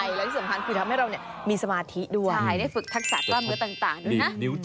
นิ้วเจ็บขนาดนี้ไม่ให้ออกไปแล้วตัว